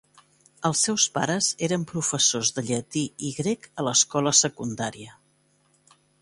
Els seus pares eren professors de llatí i grec a l’escola secundària.